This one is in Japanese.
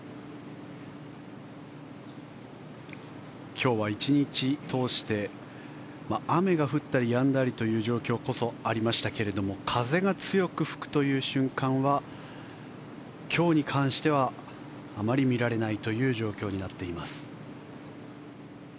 今日は１日通して雨が降ったりやんだりという状況こそありましたけれども風が強く吹くという瞬間は今日に関してはあまり見られないという状況になっています。